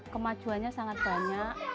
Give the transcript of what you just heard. kemajuannya sangat banyak